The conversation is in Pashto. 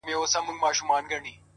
نور دي دسترگو په كتاب كي؛